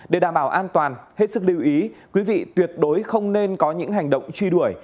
để đảm bảo an toàn hết sức lưu ý quý vị tuyệt đối không nên có những hành động truy đuổi